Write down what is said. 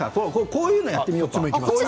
こういうのやってみようか。